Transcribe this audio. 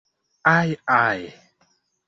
Aj, aj!